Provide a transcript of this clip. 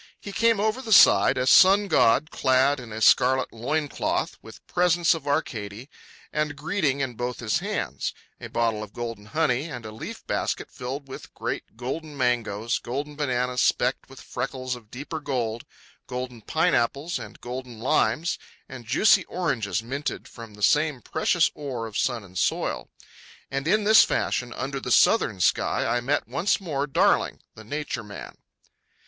He came over the side, a sun god clad in a scarlet loin cloth, with presents of Arcady and greeting in both his hands—a bottle of golden honey and a leaf basket filled with great golden mangoes, golden bananas specked with freckles of deeper gold, golden pine apples and golden limes, and juicy oranges minted from the same precious ore of sun and soil. And in this fashion under the southern sky, I met once more Darling, the Nature Man.